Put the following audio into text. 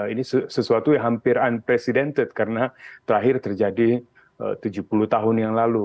ini sesuatu yang hampir unprecedented karena terakhir terjadi tujuh puluh tahun yang lalu